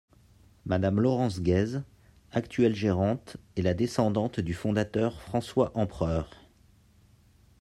Madame Laurence Guez, actuelle gérante, est la descendante du fondateur François Empereur.